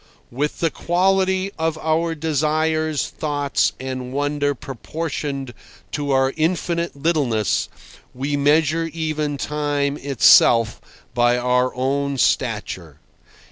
With the quality of our desires, thoughts, and wonder proportioned to our infinite littleness, we measure even time itself by our own stature.